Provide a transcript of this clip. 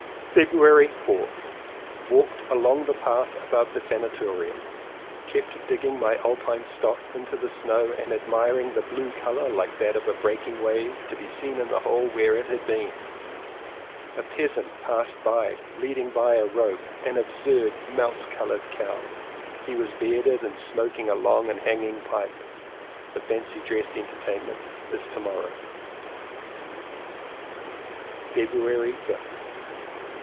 February 4th. Walked along the path above the san atorium. Kept digging my alpine stock into the snow and admiring the blue colour like that of a breaking wave to be seen in the hole where it had been. A peasant passed leading by a rope an ab surd mouse coloured cow; he was bearded 233 CONFESSIONS OF TWO BROTHERS and smoked a long and hanging pipe. The fancy dress entertainment is to morrow. February 5th.